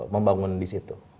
membangun di situ